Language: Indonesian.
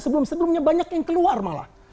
sebelum sebelumnya banyak yang keluar malah